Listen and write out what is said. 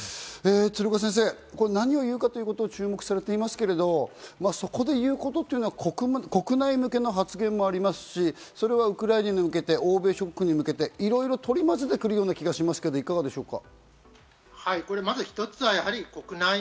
鶴岡先生、何を言うかっていうことに注目されてますけど、そこで言うことっていうのは国内向けの発言もありますし、ウクライナに向けて欧米ショックに向けて、いろいろ取りまぜてくるような気がしますけれど、いかがでしょうか？